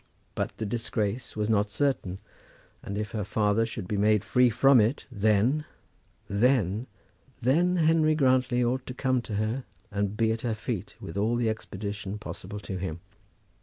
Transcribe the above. But the disgrace was not certain; and if her father should be made free from it, then, then, then Henry Grantly ought to come to her and be at her feet with all the expedition possible to him.